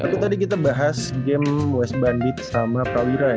tapi tadi kita bahas game west bandit sama prawira ya